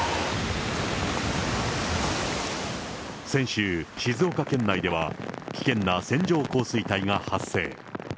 先週、静岡県内では、危険な線状降水帯が発生。